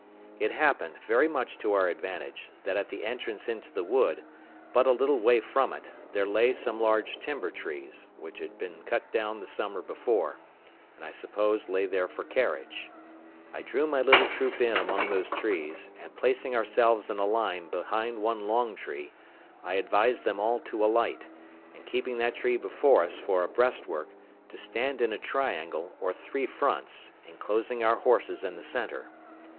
It happened, very much to our advantage, that at the entrance into the wood, but a little way from it, there lay some large timber trees, which had been cut down the summer before, and I suppose lay there for carriage. I drew my little troop in among those trees, and placing ourselves in a line behind one long tree, I advised them all to alight, and keeping that tree before us for a breastwork, to stand in a triangle, or three fronts, enclosing our horses in the centre.